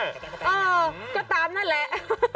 เออก็ตามนั่นแหละ